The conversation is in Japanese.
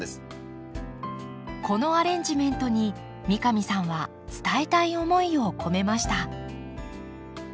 このアレンジメントに三上さんは伝えたい思いを込めました。